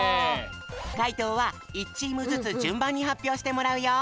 かいとうは１チームずつじゅんばんにはっぴょうしてもらうよ。